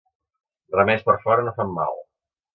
Remeis per fora no fan mal.